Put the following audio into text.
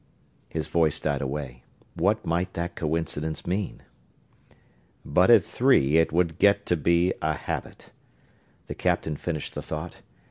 His voice died away. What might that coincidence mean? "But at three it would get to be a habit," the captain finished the thought.